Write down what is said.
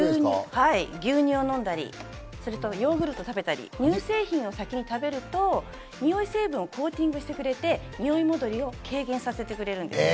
牛乳を飲んだり、ヨーグルトを食べたり、乳製品を先に食べると、におい成分をコーティングしてくれて、におい戻りを軽減させてくれるんです。